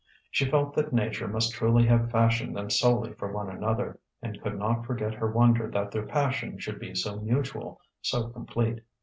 She felt that nature must truly have fashioned them solely for one another, and could not forget her wonder that their passion should be so mutual, so complete.